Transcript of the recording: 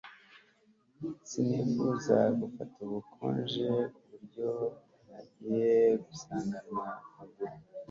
Sinifuzaga gufata ubukonje ku buryo ntagiye gusiganwa ku maguru